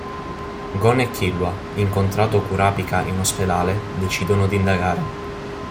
Gon e Killua, incontrato Kurapika in ospedale, decidono di indagare.